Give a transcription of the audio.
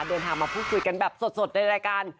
เดินทางมาพูดคุยกันแบบสดในรายการ